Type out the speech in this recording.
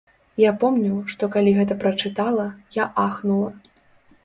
Я помню, што калі гэта прачытала, я ахнула.